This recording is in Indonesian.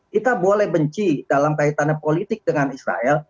kita boleh benci dalam kaitannya politik dengan israel